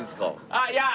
ああいや